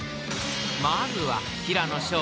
［まずは］